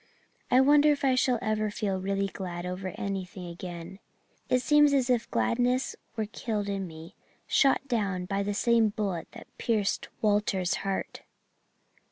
I wonder if I shall ever feel really glad over anything again. It seems as if gladness were killed in me shot down by the same bullet that pierced Walter's heart.